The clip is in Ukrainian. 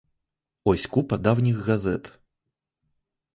Ось купа давніх газет.